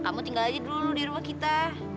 kamu tinggal aja dulu di rumah kita